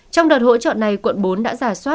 trong đợt hỗ trợ này quận bốn đã giả soát